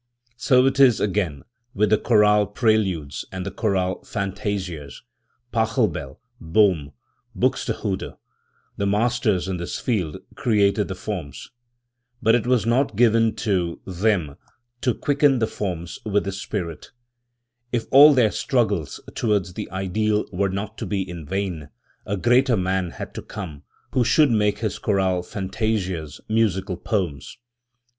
So it is, again, with the chorale preludes and the chorale fantasias. Pachelbel, Bohna and Buxtehude, the masters in this field, created the forms. But it was not given to Subjective and Objective Art. 3 them to quicken the forms with the spirit. If all their struggles towards the ideal were not to be in vain, a greater man had to come, who should make his chorale fantasias musical poems.